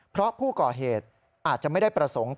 เพราะผู้ก่อเหตุอาจจะไม่ได้ประสงค์